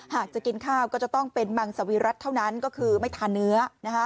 หากจะกินข้าวก็จะต้องเป็นมังสวิรัติเท่านั้นก็คือไม่ทานเนื้อ